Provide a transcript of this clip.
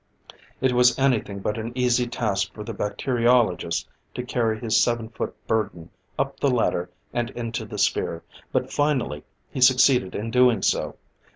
It was anything but an easy task for the bacteriologist to carry his seven foot burden up the ladder and into the sphere, but finally, he succeeded in doing so.